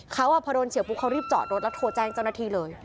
เขาพอโดนเฉียวปุ๊บเขารีบจอดรถแล้วโทรแจ้งเจ้าหน้าที่เลย